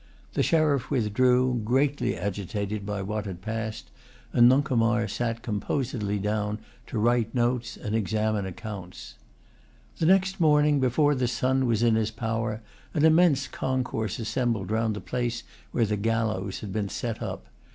The sheriff withdrew, greatly agitated by what had passed, and Nuncomar sat composedly down to write notes and examine accounts. The next morning, before the sun was in his power, an immense concourse assembled round the place where the gallows had been set up.